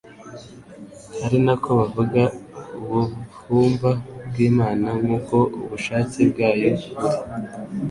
ari nako bavuga ubvhumva bw'Imana nk'uko ubushake bwayo buri,